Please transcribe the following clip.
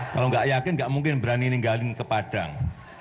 kalau enggak yakin enggak mungkin berani ninggalin ke padang